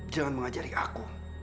jangan mengajari aku